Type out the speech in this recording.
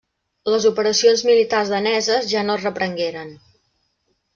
Les operacions militars daneses ja no es reprengueren.